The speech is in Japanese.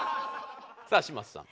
さあ嶋佐さん。